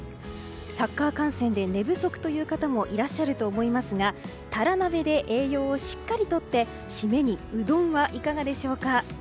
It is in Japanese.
サッカー観戦で寝不足という方もいらっしゃると思いますがタラ鍋で栄養をしっかり取って締めにうどんはいかがでしょうか。